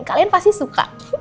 kalian pasti suka